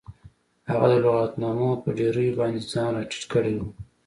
هغه د لغتنامو په ډیریو باندې ځان راټیټ کړی و